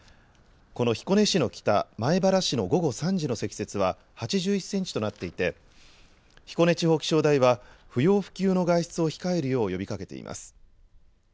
この彦根市の北、米原市の午後３時の積雪は８１センチとなっていて、彦根地方気象台は不要不急の外出を控えるよう呼びかけています。